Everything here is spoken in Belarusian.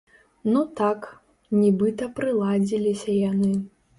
Ну так, нібыта прыладзіліся яны.